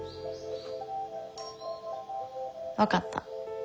分かった。